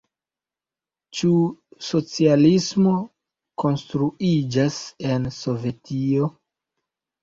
Ĉu socialismo konstruiĝas en Sovetio?